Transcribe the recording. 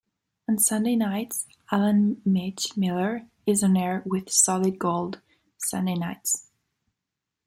On Sunday nights, Allan "Mitch" Miller is on air with "Solid Gold" Sunday Nights.